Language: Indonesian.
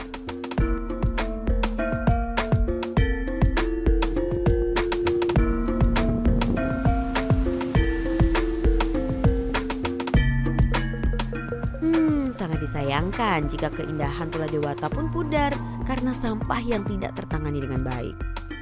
hmm sangat disayangkan jika keindahan tula dewata pun pudar karena sampah yang tidak tertangani dengan baik